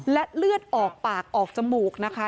และเลือดออกปากออกจมูกนะคะ